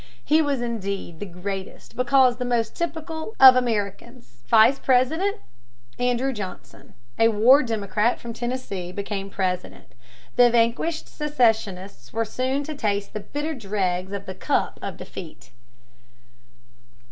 He was indeed the greatest because the most typical of Americans. Vice President Andrew Johnson, a war Democrat from Tennessee, became President. The vanquished secessionists were soon to taste the bitter dregs of the cup of defeat.